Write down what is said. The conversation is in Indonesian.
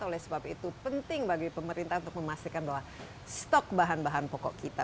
oleh sebab itu penting bagi pemerintah untuk memastikan bahwa stok bahan bahan pokok kita